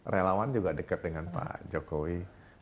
relawan juga dekat dengan pak jokowi